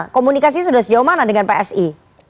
komunikasi sudah sejauh mana dengan psi